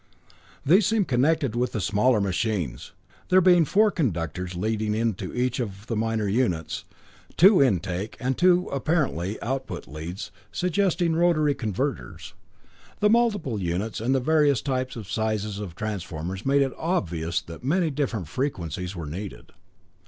These seemed connected with the smaller machines, there being four conductors leading into each of the minor units, two intake, and two, apparently, output leads, suggesting rotary converters. The multiple units and the various types and sizes of transformers made it obvious that many different frequencies were needed.